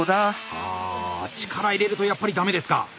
あ力入れるとやっぱりダメですか？